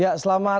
ya selamat pagi